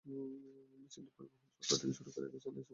মিছিলটি পরিবহন চত্বর থেকে শুরু হয়ে একই স্থানে এসে শেষ হয়।